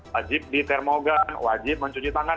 wajib di termogan wajib mencuci tangan